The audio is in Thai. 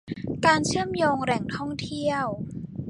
การเชื่อมโยงแหล่งท่องเที่ยว